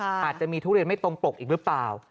อาจจะมีทุเรียนไม่ตรงปกอีกหรือเปล่า